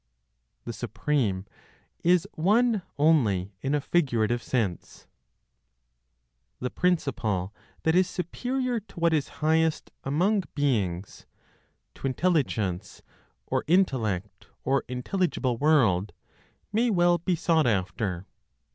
THE SUPREME IS ONE ONLY IN A FIGURATIVE SENSE. The principle that is superior to what is highest among beings, to Intelligence (or intellect, or intelligible world) (may well be sought after).